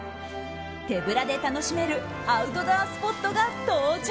手ぶらで楽しめるアウトドアスポットが登場。